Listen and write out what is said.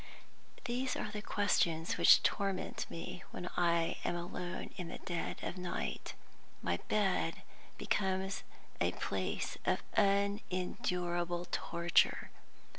These are the questions which torment me when I am alone in the dead of night. My bed becomes a place of unendurable torture.